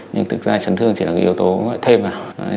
nhưng thực ra chấn thương chỉ là cái yếu tố thêm vào